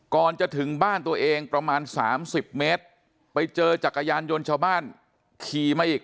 ก่อนจะถึงบ้านตัวเองประมาณ๓๐เมตรไปเจอจักรยานยนต์ชาวบ้านขี่มาอีก